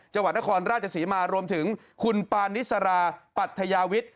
จังหวัดนครราชศรีมารวมถึงคุณปานิสราปัทยาวิทย์